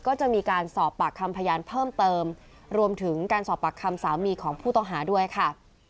ก็จะมีการสอบปากคำพยานเพิ่มเติมรวมถึงการสอบปากคำสามีของผู้ต้องหาด้วยค่ะ